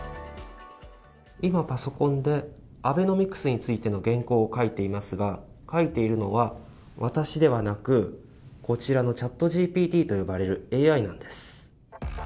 今、パソコンでアベノミクスについての原稿を書いていますが、書いているのは、私ではなく、こちらのＣｈａｔＧＰＴと呼ばれるＡＩです